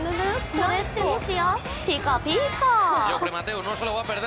これってもしやピカピカ！？